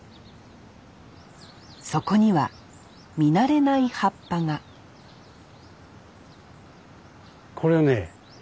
そこには見慣れない葉っぱがこれはね